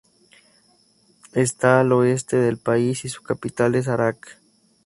Está al oeste del país, y su capital es Arak.